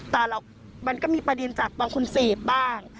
ตาระหรอกมันก็มีประเด็นจากบางคนเสพบ้าง